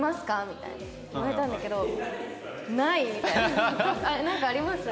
みたいに言われたんだけど「ない！」みたいな。なんかあります？